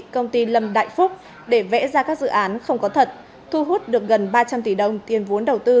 công ty lâm đại phúc để vẽ ra các dự án không có thật thu hút được gần ba trăm linh tỷ đồng tiền vốn đầu tư